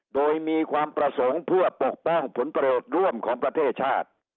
โดยมีความประสงค์เพื่อปกป้องผลประโยชน์ร่วมของประเทศชาติ